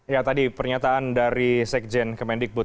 ya tadi pernyataan dari sekjen kemendikbud